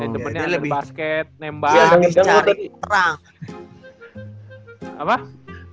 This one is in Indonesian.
demennya ada di basket nembak